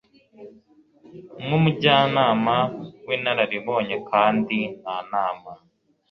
nk umujyanama w inararibonyekandi nta nama